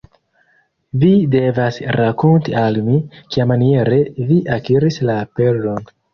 Vi devas rakonti al mi, kiamaniere vi akiris la perlon.